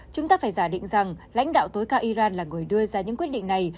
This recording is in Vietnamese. bác đã định rằng lãnh đạo tối cao iran là người đưa ra những quyết định này